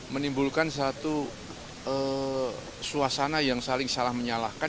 menimbulkan satu suasana yang saling salah menyalahkan